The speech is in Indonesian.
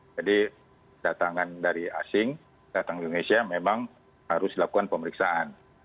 jadi kedatangan dari asing kedatangan dari indonesia memang harus dilakukan pemeriksaan